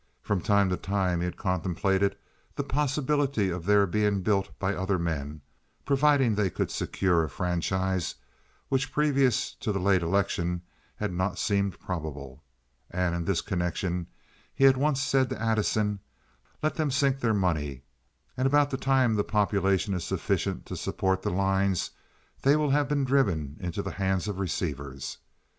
From time to time he had contemplated the possibility of their being built by other men—providing they could secure a franchise, which previous to the late election had not seemed probable—and in this connection he had once said to Addison: "Let them sink their money, and about the time the population is sufficient to support the lines they will have been driven into the hands of receivers.